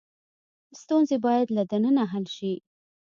ستونزې باید له دننه حل شي.